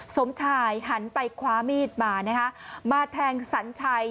สมชายหันไปคว้ามีดมานะคะมาแทงสัญชัย